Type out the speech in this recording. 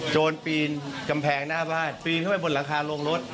โดนปีนกำแพงหน้าบ้านปีนเข้าไปบนหลังคาโรงรถ